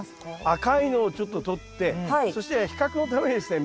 赤いのをちょっととってそして比較のためにですね